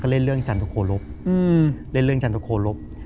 ก็เล่นเรื่องจันทกโคลบ